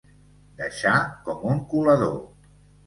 Deixar com un colador.